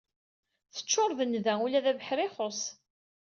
Teččur d nnda, ula d abeḥri ixuss.